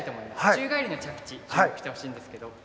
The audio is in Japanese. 宙返りの着地に注目してほしいんですけども。